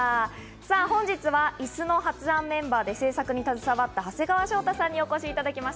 本日はイスの発案メンバーで制作に携わった長谷川翔太さんにお越しいただきました。